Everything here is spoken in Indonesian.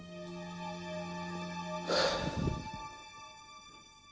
saya tidak tahu eyang begawat sitaraga